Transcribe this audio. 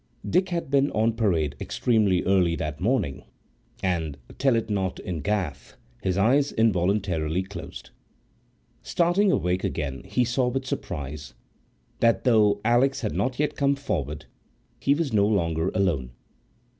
Dick had been on parade extremely early that morning, and, tell it not in Gath! his eyes involuntarily closed. Starting awake again, he saw with surprise that, though Alix had not yet come forward, he was no longer alone.